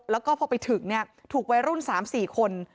แล้วก็พอไปถึงถูกวัยรุ่น๓๔คน